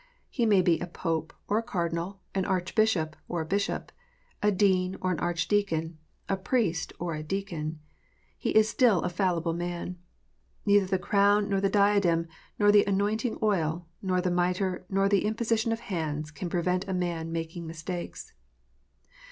He may be a Pope or a Cardinal, an Archbishop or a Bishop, a Dean or an Arch deacon, a Priest or a Deacon. He is still a fallible man. Neither the crown, nor the diadem, nor the anointing oil, nor the mitre, nor the imposition of hands, can prevent a man making mistakes.